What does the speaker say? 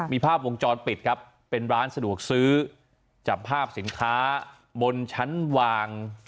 มีภาพวงจรปิดครับเป็นร้านสะดวกซื้อจับภาพสินค้าบนชั้นวาง